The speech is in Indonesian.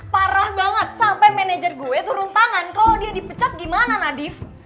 parah banget sampai manajer gue turun tangan kalau dia dipecat gimana nadif